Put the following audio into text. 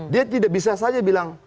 dia tidak bisa saja bilang